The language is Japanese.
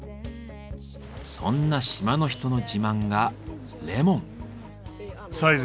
そんな島の人の自慢がレモン。